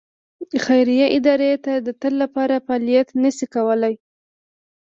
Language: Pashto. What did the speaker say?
خیریه ادارې د تل لپاره فعالیت نه شي کولای.